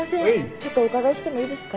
ちょっとおうかがいしてもいいですか？